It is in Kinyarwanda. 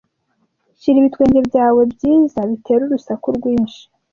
shyira ibitwenge byawe byiza bitera urusaku rwinshi